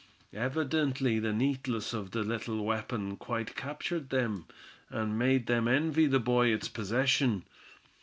Evidently the neatness of the little weapon quite captured them, and made them envy the boy its possession.